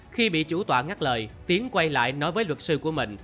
khi bị chủ tòa ngắt lời tiến quay lại nói với luật sư của mình